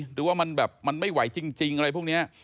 หรือว่ามันแบบมันไม่ไหวจริงอะไรพวกนี้